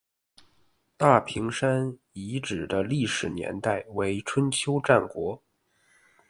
大坪山遗址的历史年代为春秋战国。